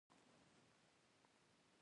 زړه تل مینې ته اړتیا لري.